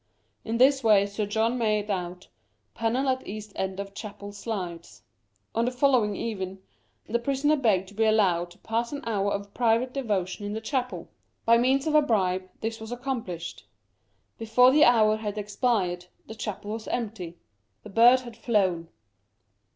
In this way Sir John made out —" Panel at east end of chapel slides." On the following even, the prisoner begged to be allowed to pass an hour of private devotion in the chapel. By means 29 Curiosities of Olden Times of a bribe, this was accomplished. Before the hour had expired, the chapel was empty — the bird had flown.